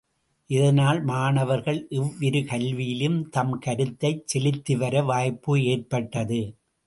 இதனால் மாணவர்கள் இவ்விரு கல்வியிலும் தம் கருத்தைச் செலுத்தி வர வாய்ப்பு ஏற்பட்டது.